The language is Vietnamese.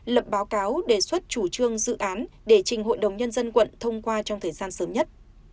lập báo cáo đề xuất chủ trương dự án để trình hội đồng nhân dân quận thông qua trong thời gian sớm nhất